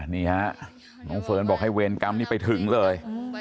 นี่ฮะน้องเฟิร์นบอกให้เวรกรรมนี้ไปถึงเลย